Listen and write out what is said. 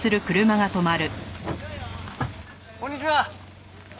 こんにちは。